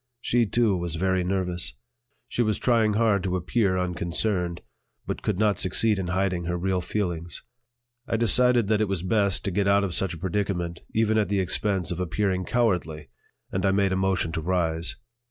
She, too, was very nervous; she was trying hard to appear unconcerned, but could not succeed in hiding her real feelings. I decided that it was best to get out of such a predicament even at the expense of appearing cowardly, and I made a motion to rise.